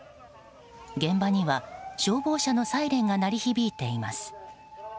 現場には消防車のサイレンが鳴り響いています。